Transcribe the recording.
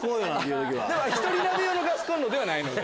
１人鍋用のガスコンロではないので。